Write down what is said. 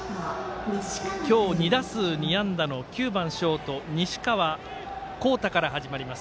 今日２打数２安打の９番ショート西川煌太から始まります